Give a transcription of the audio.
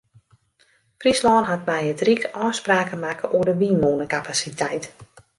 Fryslân hat mei it ryk ôfspraken makke oer de wynmûnekapasiteit.